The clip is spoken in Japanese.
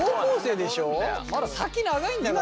まだ先長いんだから。